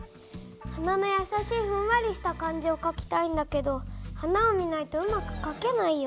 花のやさしいふんわりした感じをかきたいんだけど花を見ないとうまくかけないよ。